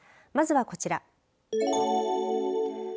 まずはこちら。